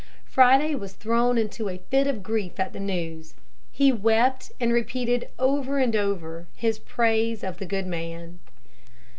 Friday was thrown into a fit of grief at the news. He wept and repeated over and over his praise of the good man.